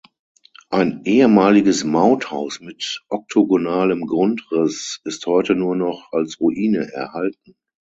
Ein ehemaliges Mauthaus mit oktogonalem Grundriss ist heute nur noch als Ruine erhalten.